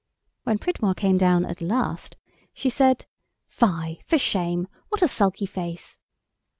When Pridmore came down at last, she said, "Fie, for shame! What a sulky face!"